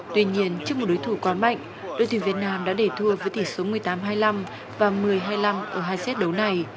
tuy nhiên trước một đối thủ còn mạnh đội tuyển việt nam đã để thua với tỷ số một mươi tám hai mươi năm và một mươi hai mươi năm ở hai xét đấu này